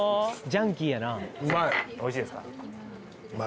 ジャンキーやなおいしいですか？